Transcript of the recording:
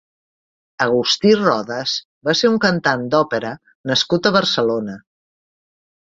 Agustí Rodas va ser un cantant d'òpera nascut a Barcelona.